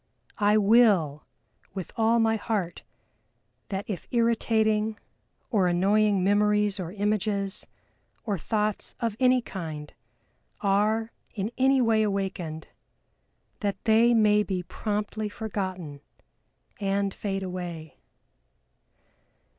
I will with all my heart that if irritating or annoying memories or images, or thoughts of any kind are in any way awakened, that they may be promptly forgotten and fade away!"